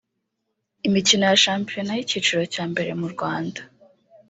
Imikino ya shampiyona y’icyiciro cya mbere mu Rwanda